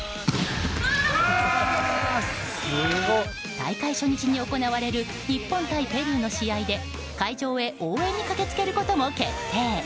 大会初日に行われる日本対ペルーの試合で、会場に応援に駆けつけることも決定。